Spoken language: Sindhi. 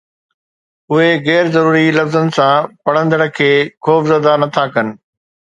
اهي غير ضروري لفظن سان پڙهندڙ کي خوفزده نٿا ڪن